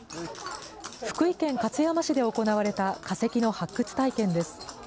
福井県勝山市で行われた化石の発掘体験です。